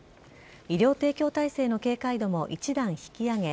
医療提供体制の警戒度も一段引き上げ